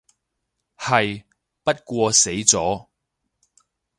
係，不過死咗